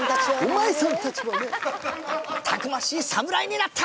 「たくましい侍になった！